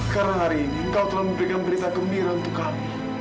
karena hari ini engkau telah memberikan berita gembira untuk kami